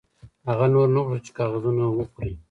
هغه نور نه غوښتل چې کاغذونه وخوري